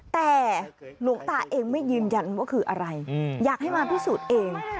แต่หลวงตาเองไม่ยืนยันว่าคืออะไรอยากให้มาพิสูจน์เอง